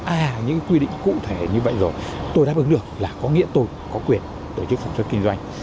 à những quy định cụ thể như vậy rồi tôi đáp ứng được là có nghĩa tôi có quyền tổ chức sản xuất kinh doanh